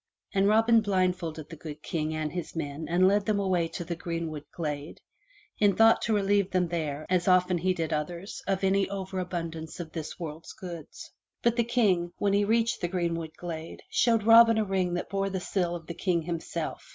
And Robin blindfolded the good King and his men and led them away to the greenwood glade, in thought to relieve them there, as often he did others, of any over abundance of this world's goods. But the King, when he reached the greenwood glade, showed Robin a ring that bore the seal of the King himself.